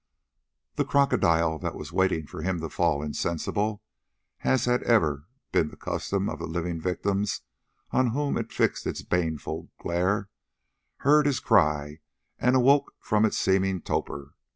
The crocodile, that was waiting for him to fall insensible, as had ever been the custom of the living victims on whom it fixed its baneful glare, heard his cry and awoke from its seeming torpor.